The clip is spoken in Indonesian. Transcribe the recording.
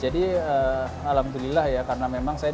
jadi alhamdulillah ya karena memang saya